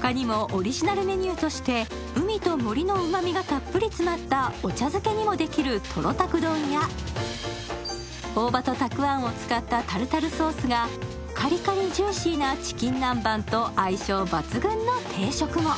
他にもオリジナルメニューとして海と森のうまみがたっぷり詰まったお茶漬けにもできるトロタク丼や大葉とたくあんを使ったタルタルソースがカリカリジューシーなチキン南蛮と相性抜群の定食も。